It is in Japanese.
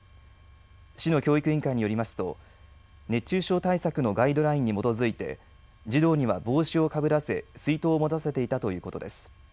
市の教育委員会によりますと熱中症対策のガイドラインに基づいて児童には帽子をかぶらせ水筒を持たせていたということです。